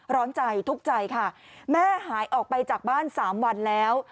ร้อนใจทุกข์ใจค่ะแม่หายออกไปจากบ้าน๓วันแล้ว